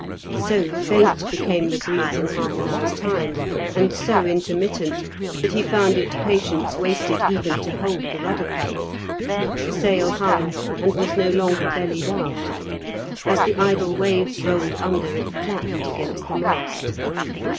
So faint became the breeze in half an hour's time, and so intermittent, that he found it patience wasted even to hold the rudder paddle. The sail hung and was no longer bellied out; as the idle waves rolled under, it flapped against the mast.